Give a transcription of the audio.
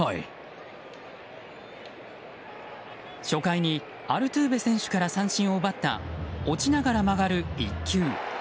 初回にアルトゥーベ選手から三振を奪った落ちながら曲がる一球。